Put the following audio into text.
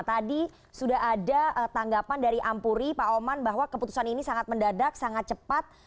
tadi sudah ada tanggapan dari ampuri pak oman bahwa keputusan ini sangat mendadak sangat cepat